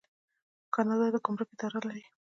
کاناډا د ګمرک اداره لري.